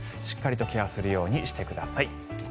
しっかりとケアするようにしてください。